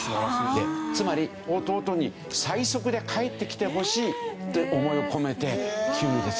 つまり弟に最速で帰ってきてほしいって思いを込めてキュウリで作った。